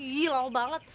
ih lama banget